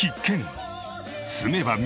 住めば都！